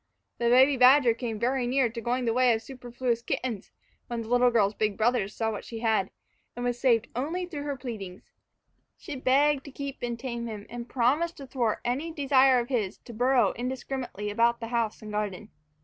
The baby badger came very near to going the way of superfluous kittens when the little girl's big brothers saw what she had, and was saved only through her pleading. She begged to keep and tame him, and promised to thwart any desire of his to burrow indiscriminately about the house and garden.